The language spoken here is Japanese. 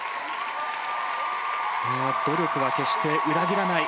努力は決して裏切らない。